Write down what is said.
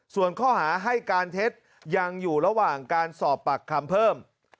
ส่วนข้อหาให้การเท็จยังอยู่ระหว่างการสอบปากคำเพิ่ม